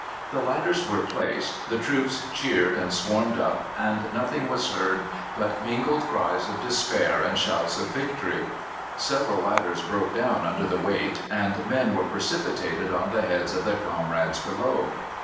The ladders were placed, the troops cheered and swarmed up, and nothing was heard but mingled cries of despair and shouts of victory. Several ladders broke down under the weight, and men were precipitated on the heads of their comrades below.